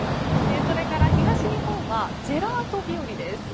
それから東日本はジェラート日和です。